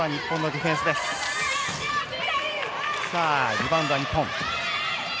リバウンド、日本。